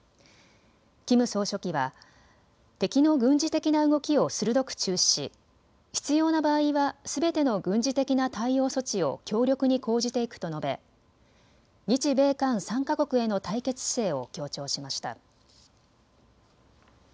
キム総書記は、敵の軍事的な動きを鋭く注視し必要な場合はすべての軍事的な対応措置を強力に講じていくと述べ、日米韓３か国への対決姿勢を強調しました。